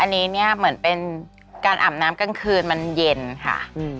อันนี้เนี่ยเหมือนเป็นการอาบน้ำกลางคืนมันเย็นค่ะ